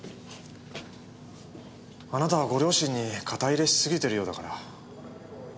あなたはご両親に肩入れしすぎてるようだから。